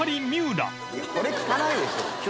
これ効かないでしょ。